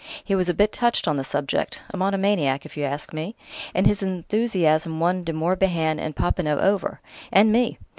He was a bit touched on the subject: a monomaniac, if you ask me. And his enthusiasm won De Morbihan and Popinot over ... and me!